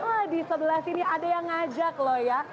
wah di sebelah sini ada yang ngajak loh ya